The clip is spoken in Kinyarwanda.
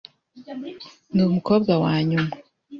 Ndi umukobwa wanyuma.